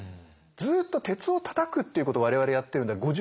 ずっと鉄をたたくっていうことを我々やってるんだよ。